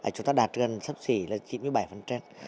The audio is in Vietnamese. chúng ta đạt gần sắp xỉ là chín mươi bảy trên chín mươi bảy